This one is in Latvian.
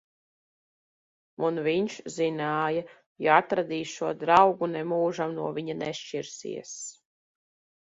Un viņš zināja: ja atradīs šo draugu, nemūžam no viņa nešķirsies.